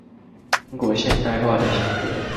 中國現代化的性格